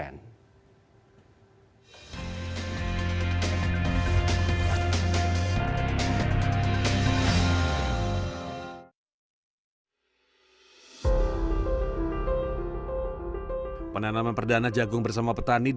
penanaman perdana jagung bersama petani